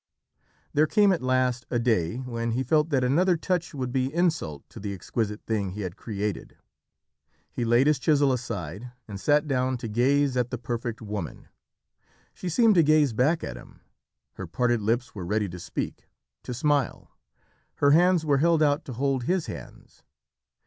There came, at last, a day when he felt that another touch would be insult to the exquisite thing he had created. He laid his chisel aside and sat down to gaze at the Perfect Woman. She seemed to gaze back at him. Her parted lips were ready to speak to smile. Her hands were held out to hold his hands.